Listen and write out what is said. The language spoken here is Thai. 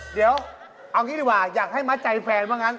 เดี๋ยวอยากให้มาถ่ายแฟนว่างั้น